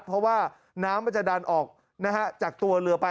เพราะว่าน้ำมันจะดันออกจากตัวเรือไป